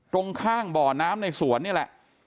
ตรงข้างบ่อน้ำในสวนนี่แหละ